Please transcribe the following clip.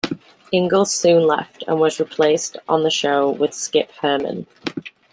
Ingles soon left, and was replaced on the show with Skip Herman.